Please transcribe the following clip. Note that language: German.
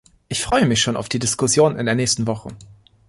Ich freue mich schon auf die Diskussion in der nächsten Woche.